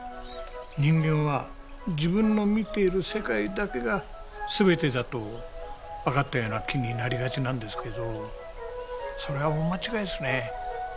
人間は自分の見ている世界だけが全てだと分かったような気になりがちなんですけどそれは大間違いですね。